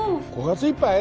５月いっぱい？